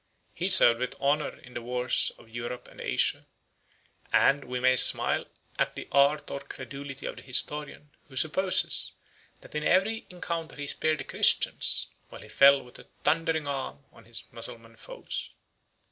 He served with honor in the wars of Europe and Asia; and we may smile at the art or credulity of the historian, who supposes, that in every encounter he spared the Christians, while he fell with a thundering arm on his Mussulman foes.